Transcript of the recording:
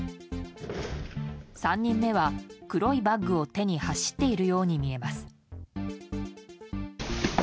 ３人目は、黒いバッグを手に走っているように見えます。